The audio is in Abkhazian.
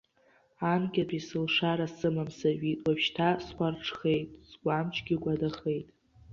Анкьатәи сылшара сымам, сажәит, уажәшьҭа схәарҽхеит, сгәамчгьы кәадахеит.